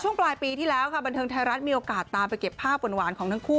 ปลายปีที่แล้วค่ะบันเทิงไทยรัฐมีโอกาสตามไปเก็บภาพหวานของทั้งคู่